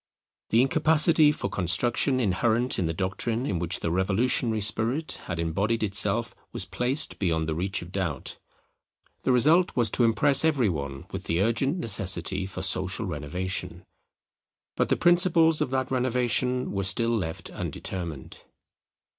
The incapacity for construction inherent in the doctrine in which the revolutionary spirit had embodied itself was placed beyond the reach of doubt. The result was to impress every one with the urgent necessity for social renovation; but the principles of that renovation were still left undetermined.